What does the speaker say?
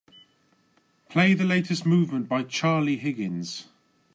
play the latest movement by Charlie Higgins